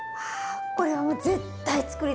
これはもう絶対つくりたいです。